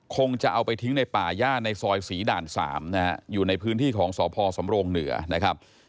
คงจะเอาไปทิ้งในป่าย่าในซอยศรีด่าน๓นะฮะอยู่ในพื้นที่ของสพสำโรงเหนือนะครับ